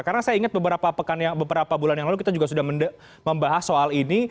karena saya ingat beberapa bulan yang lalu kita juga sudah membahas soal ini